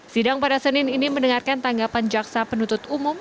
sidang pada senin ini mendengarkan tanggapan jaksa penuntut umum